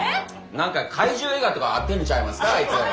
何か怪獣映画とか合ってるんちゃいますかあいつ。